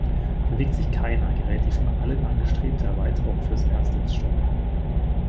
Bewegt sich keiner, gerät die von allen angestrebte Erweiterung fürs Erste ins Stocken.